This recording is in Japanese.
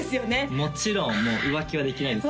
もちろん浮気はできないですね